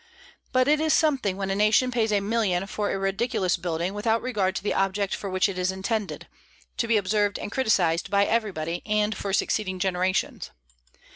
But it is something when a nation pays a million for a ridiculous building, without regard to the object for which it is intended, to be observed and criticised by everybody and for succeeding generations.